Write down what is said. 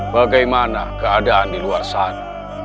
bagaimana keadaan di luar sana